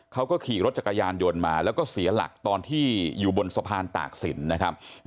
เขาก็ขี่รถจักรยานยนต์มาแล้วก็เสียหลักตอนที่อยู่บนสะพานตากศิลป์นะครับ